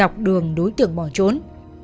đọc đường đối tượng bỏ trốn